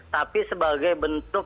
tapi sebagai bentuk